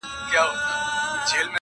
د ازلي قهرمانانو وطن!.